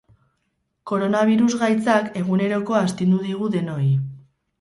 Koronabirus gaitzak egunerokoa astindu digu denoi.